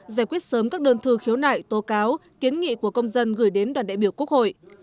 giải quyết sớm các đơn thư khiếu nại tố cáo kiến nghị của công dân gửi đến đoàn đại biểu quốc hội